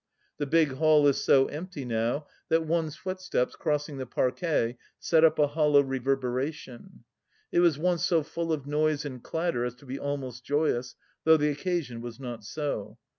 The big hall is so empty now that one's footsteps, crossing the parquet, set up a hollow reverberation ; it was once so full of noise and clatter as to be almost joyous, though the occasion was not so.